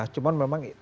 cuma memang tingkatnya